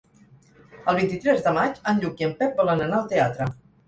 El vint-i-tres de maig en Lluc i en Pep volen anar al teatre.